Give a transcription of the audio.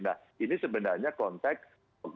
nah ini sebenarnya konteks